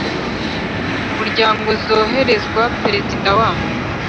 muryango zohererezwa Perezida wa